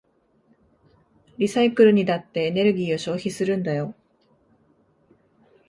リサイクルにだってエネルギーを消費するんだよ。